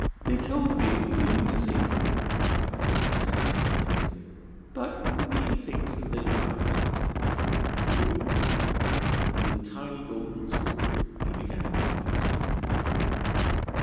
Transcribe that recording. "They told me it would be amusing," replied young Hortensius lazily, "but methinks that they lied." He yawned, and with a tiny golden tool he began picking his teeth.